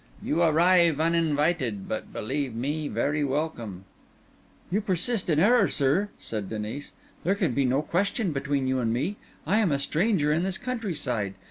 You arrive uninvited, but believe me, very welcome." "You persist in error, sir," said Denis. "There can be no question between you and me. I am a stranger in this countryside.